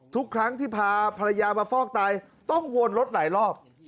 ทุกครั้งที่พาภรรยามาฟอกไตต้องวนรถหลายรอบ